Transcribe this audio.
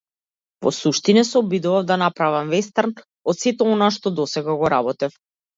Во суштина, се обидував да направам вестерн од сето она што досега го работев.